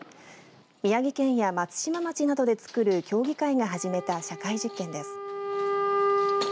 宮城県や松島町などでつくる協議会が始めた社会実験です。